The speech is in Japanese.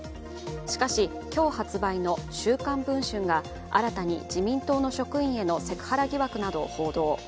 しかし今日発売の「週刊文春」が新たに自民党の職員へのセクハラ疑惑などを報道。